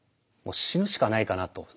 もう死ぬしかないかなと。